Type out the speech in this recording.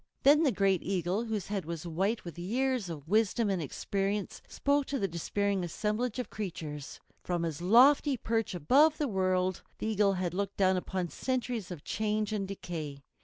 Then the great Eagle, whose head was white with years of wisdom and experience, spoke to the despairing assemblage of creatures. From his lofty perch above the world the Eagle had looked down upon centuries of change and decay.